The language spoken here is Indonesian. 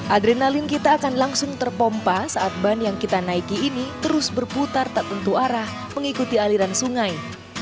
adrenalin kita akan langsung terpompa saat ban yang kita naiki ini terus berputar tak tentu arah mengikuti aliran sungai